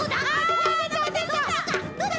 どうだ？